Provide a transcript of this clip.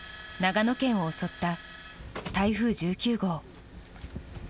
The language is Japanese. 長野県を襲った台風１９号。